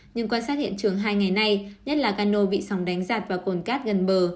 nhưng quan sát hiện trường hai ngày nay nhất là cano bị sóng đánh giạt và cồn cát gần bờ